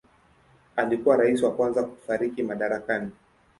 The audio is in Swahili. Alikuwa rais wa kwanza kufariki madarakani.